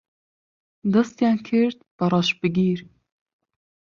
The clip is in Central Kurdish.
دەستیان کرد بە ڕەشبگیر